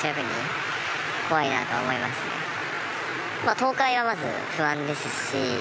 倒壊がまず不安ですし。